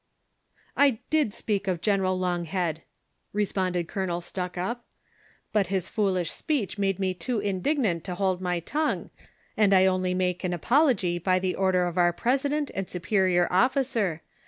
"I did speak of General Longliead," responded Colonel Stuckup; ''•but his foolish speech made me too indignant to hold my tongue, and I only make an apology by the order of our president and superior oflicer